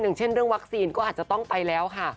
อย่างเช่นเรื่องวัคซีนก็อาจจะต้องไปแล้วค่ะ